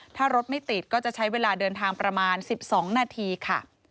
ถ้ารถไม่ติดก็จะใช้เวลาเดินทางประมาณ๑๒นาทีค่ะ